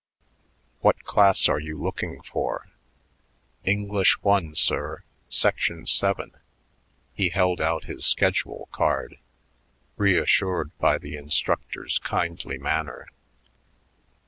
"What class are you looking for?" "English One, sir, Section Seven." He held out his schedule card, reassured by the instructor's kindly manner.